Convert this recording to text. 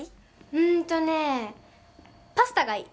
うんとねパスタがいい。